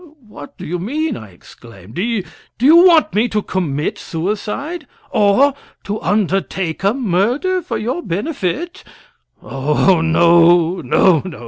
"What do you mean?" I exclaimed. "Do you want me to commit suicide? Or to undertake a murder for your benefit?" "Oh, no, no, no!"